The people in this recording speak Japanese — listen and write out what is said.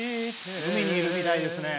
海にいるみたいですね。